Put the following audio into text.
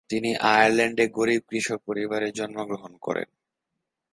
তিনি আয়ারল্যান্ডে গরীব কৃষক পরিবারে জন্মগ্রহণ করেন।